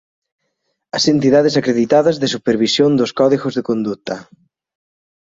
As entidades acreditadas de supervisión dos códigos de conduta.